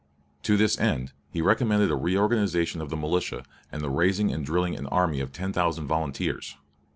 To this end he recommended a reorganization of the militia and the raising and drilling an army of ten thousand volunteers.